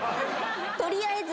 取りあえず。